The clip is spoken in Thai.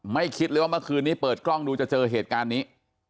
คิดเลยว่าเมื่อคืนนี้เปิดกล้องดูจะเจอเหตุการณ์นี้